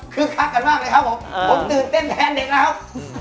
คือคักกันมากเลยครับผมผมตื่นเต้นแทนเด็กนะครับ